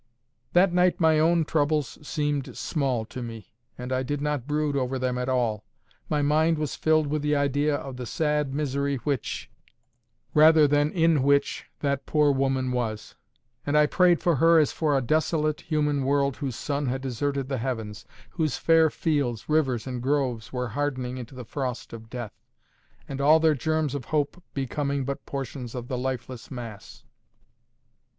That night my own troubles seemed small to me, and I did not brood over them at all. My mind was filled with the idea of the sad misery which, rather than in which, that poor woman was; and I prayed for her as for a desolate human world whose sun had deserted the heavens, whose fair fields, rivers, and groves were hardening into the frost of death, and all their germs of hope becoming but portions of the lifeless mass.